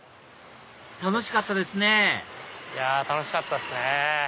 楽しかったですね楽しかったっすね！